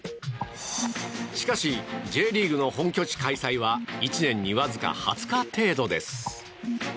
しかし、Ｊリーグの本拠地開催は１年にわずか２０日程度です。